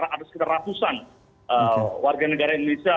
ada sekitar ratusan warga negara indonesia